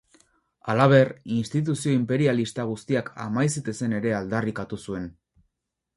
Halaber, instituzio inperialista guztiak amai zitezen ere aldarrikatu zuen.